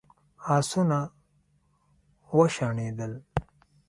آسونه وشڼېدل.